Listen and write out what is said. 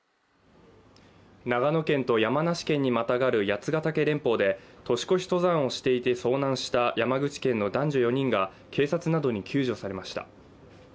長野県と山梨県にまたがる八ヶ岳連峰で年越し登山をしていて遭難した山口県の男女４人が警察などに救助されました。